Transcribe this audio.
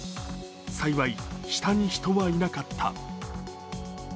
幸い、下に人はいなかった。